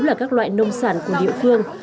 là các loại nông sản của địa phương